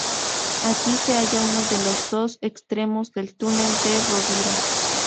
Aquí se halla uno de los dos extremos del túnel de la Rovira.